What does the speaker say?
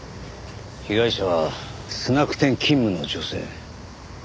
被害者はスナック店勤務の女性。